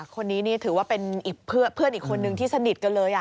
คนนี้นี่ถือว่าเป็นอีกเพื่อนอีกคนนึงที่สนิทกันเลย